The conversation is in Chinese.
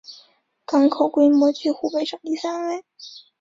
港口规模居湖北省第三位。